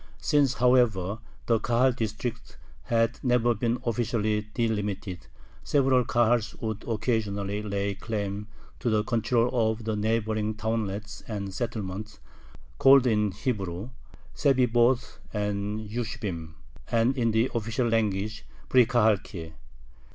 Since, however, the Kahal districts had never been officially delimited, several Kahals would occasionally lay claim to the control of the neighboring townlets and settlements (called in Hebrew sebiboth and yishubim, and in the official language prikahalki).